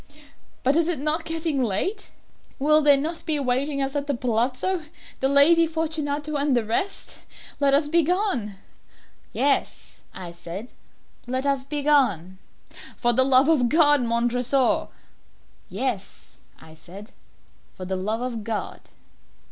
But is it not getting late? Will not they be awaiting us at the palazzo, the Lady Fortunato and the rest? Let us be gone." "Yes," I said, "let us be gone." "For the love of God, Montresor!" "Yes," I said, "for the love of God!"